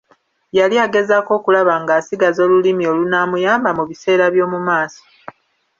Yali agezaako okulaba nga asigaza olulimi olunaamuyamba mu biseera by'omu maaso.